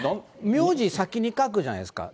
名字先に書くじゃないですか。